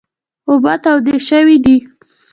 اوبه تودې شوي دي .